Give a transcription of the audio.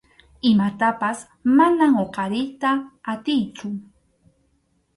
Imatapas manam huqariyta atiychu.